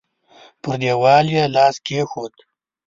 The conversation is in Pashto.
پر دېوال يې لاس کېښود.